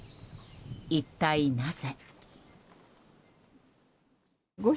一体なぜ？